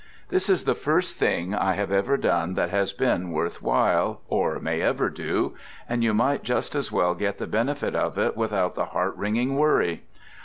This is the first thing I have ever done that has been worth while, or may ever do, and you might just as well get the benefit of it without the heart wringing worry.